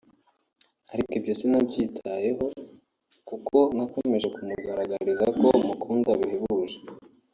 ariko ibyo sinabyitayeho kuko nakomeje kumugaragariza ko mukunda bihebuje